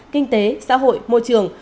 kinh tế xã hội môi trường